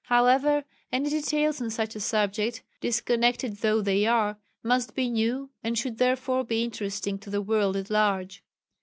However, any details on such a subject disconnected though they are must be new, and should therefore be interesting to the world at large.